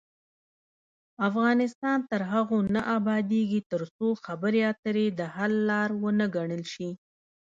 افغانستان تر هغو نه ابادیږي، ترڅو خبرې اترې د حل لار وګڼل شي.